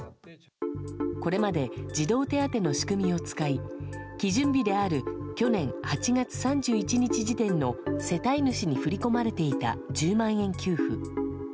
これまで、児童手当の仕組みを使い、基準日である去年８月３１日時点の世帯主に振り込まれていた１０万円給付。